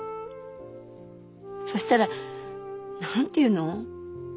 そしたら何て言うの？